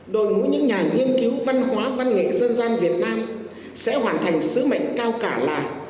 đội ngũ những nhà nghiên cứu văn hóa văn nghệ dân gian việt nam sẽ hoàn thành sứ mệnh cao cả là